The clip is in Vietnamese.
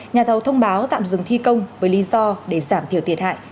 nhà thầu thông báo tạm dừng thi công với lý do để giảm thiểu thiệt hại